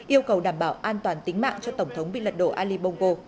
yêu cầu đảm bảo an toàn tính mạng cho tổng thống bị lật đổ ali bongo